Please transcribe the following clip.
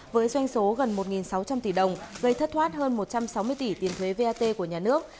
với doanh số gần một sáu trăm linh tỷ đồng gây thất thoát hơn một trăm sáu mươi tỷ tiền thuế vat của nhà nước